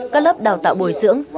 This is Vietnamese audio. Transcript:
các lớp đào tạo bồi dưỡng